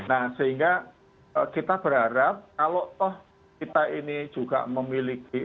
nah sehingga kita berharap kalau toh kita ini juga memiliki